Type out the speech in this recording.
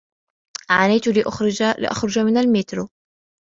عانيت لأخرج من الميترو